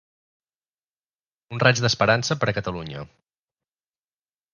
Un raig d’esperança per a Catalunya.